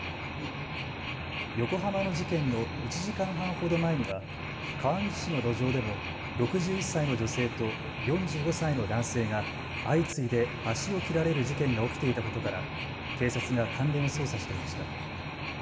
横浜の事件の１時間半ほど前には川口市の路上でも６１歳の女性と４５歳の男性が相次いで足を切られる事件が起きていたことから警察が関連を捜査していました。